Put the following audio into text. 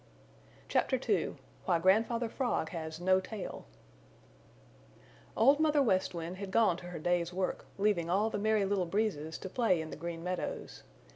CHAPTER II WHY GRANDFATHER FROG HAS NO TAIL Old Mother West Wind had gone to her day's work, leaving all the Merry Little Breezes to play in the Green Meadows.